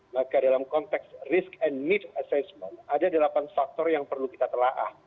maka dalam konteks risk and meeve assessment ada delapan faktor yang perlu kita telah